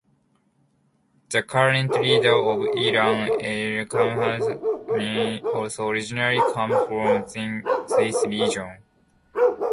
The current leader of Iran, Ali Khamenei, also originally comes from this region.